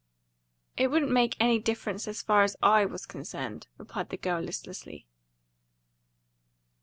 "It wouldn't make any difference as far as I was concerned," replied the girl listlessly.